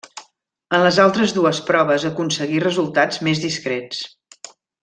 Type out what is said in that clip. En les altres dues proves aconseguí resultats més discrets.